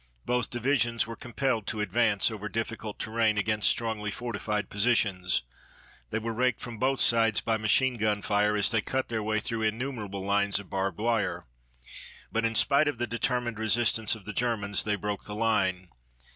Both divisions were compelled to advance over difficult terrain against strongly fortified positions. They were raked from both sides by machine gun fire as they cut their way through innumerable lines of barbed wire. But in spite of the determined resistance of the Germans, they broke the line.